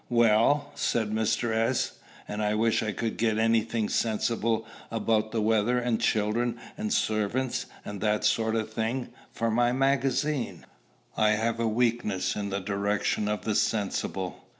"Well!" said Mr. S., "and I wish I could get any thing sensible about the weather and children and servants, and that sort of thing, for my magazine. I have a weakness in the direction of the sensible."